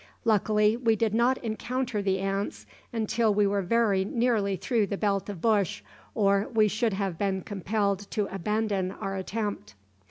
Luckily we did not encounter the ants until we were very nearly through the belt of bush, or we should have been compelled to abandon our attempt.